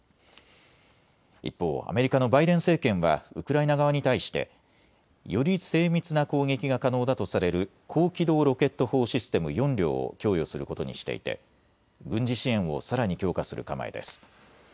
一方、アメリカのバイデン政権はウクライナ側に対してより精密な攻撃が可能だとされる高機動ロケット砲システム４両を供与することにしていて軍事支援をさらに強化する構えです。